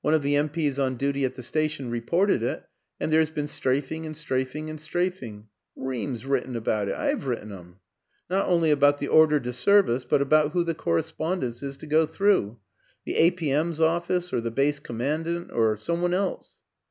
One of the M. P.'s on duty at the station reported it and there's been strafing and strafing and strafing. Reams written about it I've written 'em. Not only about the ordre de service but about who the correspondence is to go through the A. P. M.'s office or the Base Commandant or some one else.